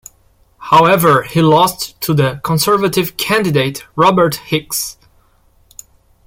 However, he lost to the Conservative candidate Robert Hicks.